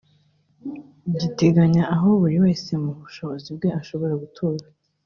giteganya aho buri wese mu bushobozi bwe ashobora gutura